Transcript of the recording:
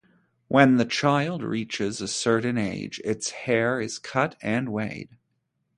When the child reaches a certain age, its hair is cut and weighed.